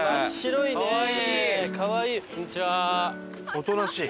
おとなしい！